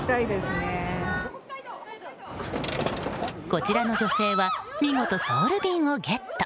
こちらの女性は見事、ソウル便をゲット！